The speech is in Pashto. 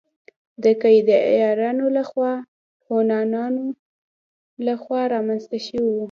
د کيداريانو او الخون هونانو له خوا رامنځته شوي وو